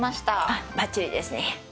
あっバッチリですね。